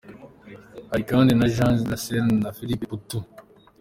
Hari kandi na Jean Lassalle na Philippe Poutou.